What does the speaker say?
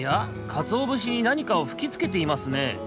かつおぶしになにかをふきつけていますね。